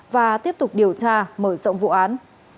và tiếp tục điều tra mở rộng vụ án